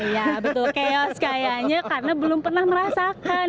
iya betul chaos kayaknya karena belum pernah merasakan